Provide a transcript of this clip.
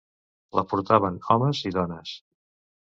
La portaven homes i dones.